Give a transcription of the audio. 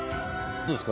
どうですか？